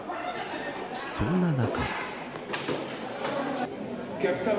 そんな中。